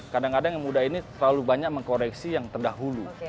kadang kadang yang muda ini terlalu banyak mengkoreksi yang terdahulu